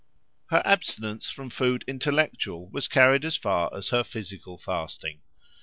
Her abstinence from food intellectual was carried as far as her physical fasting.